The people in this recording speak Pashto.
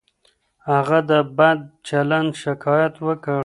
هغه د بد چلند شکایت وکړ.